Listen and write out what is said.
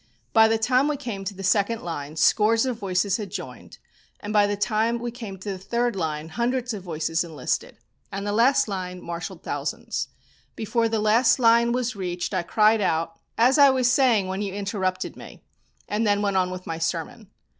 By the time we came to the second line scores of voices had joined, and by the time we came to the third line hundreds of voices enlisted, and the last line marshalled thousands. Before the last line was reached I cried out, "As I was saying when you interrupted me," and then went on with my sermon.